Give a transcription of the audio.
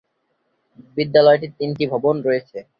বিদ্যালয়টির তিনটি ভবন রয়েছে।